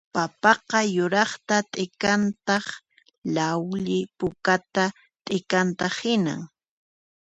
Papaqa yuraqta t'ikantaq llawli pukata t'ikantaq hinan